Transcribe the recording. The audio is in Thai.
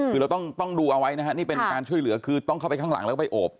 คือเราต้องดูเอาไว้นะฮะนี่เป็นการช่วยเหลือคือต้องเข้าไปข้างหลังแล้วก็ไปโอบ